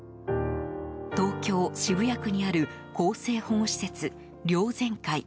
東京・渋谷区にある更生保護施設、両全会。